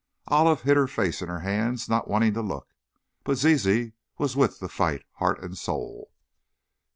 Olive hid her face in her hands, not wanting to look, but Zizi was with the fight, heart and soul.